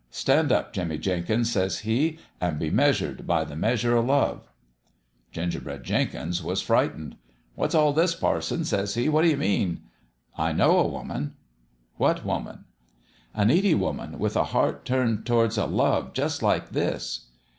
Stand up, Jimmie Jenkins/ says he, ' an' be measured by the measure o' Love 1 '" Gingerbread Jenkins was frightened. ' What's all this, parson ?' says he. ' What you mean ?'"' I know a woman.' "' What woman ?'"' A needy woman with a heart turned towards a love just like this.'